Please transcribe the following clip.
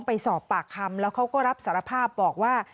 ไปสอบปากคำแล้วเขาก็รับสารภาพบอกว่า